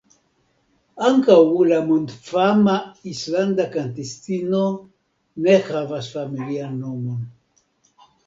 Ankaŭ la mondfama islanda kantistino ne havas familian nomon.